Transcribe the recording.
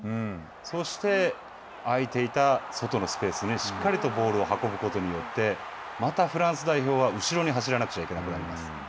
そしてあいていた外のスペースにしっかりとボールを運ぶことによって、またフランス代表は後ろに走らなくちゃいけなくなります。